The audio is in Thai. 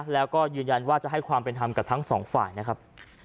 แล้วก็ยืนยันว่าจะให้ความเป็นธรรมกับทั้งสองฝ่ายนะครับ